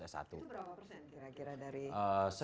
sekarang berapa persen